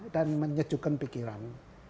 dan menyejukkan pikiran